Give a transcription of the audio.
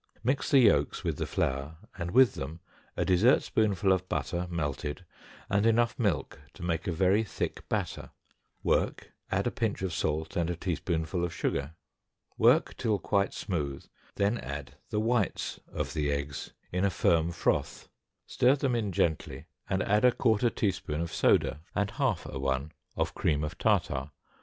Mix the yolks with the flour and with them a dessert spoonful of butter melted, and enough milk to make a very thick batter, work, add a pinch of salt and a teaspoonful of sugar, work till quite smooth, then add the whites of the eggs in a firm froth, stir them in gently, and add a quarter teaspoonful of soda and half a one of cream of tartar.